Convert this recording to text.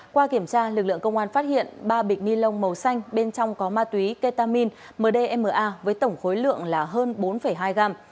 qua kiểm tra lực lượng công an phát hiện ba bịch ni lông màu xanh bên trong có ma túy ketamin mdma với tổng khối lượng là hơn bốn hai gram